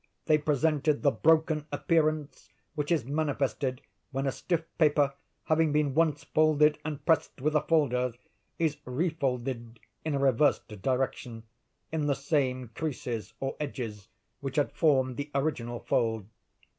They presented the broken appearance which is manifested when a stiff paper, having been once folded and pressed with a folder, is refolded in a reversed direction, in the same creases or edges which had formed the original fold.